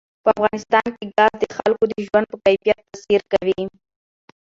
په افغانستان کې ګاز د خلکو د ژوند په کیفیت تاثیر کوي.